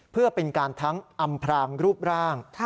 เพื่อเป็นการทั้งอำพรางรูปร่าง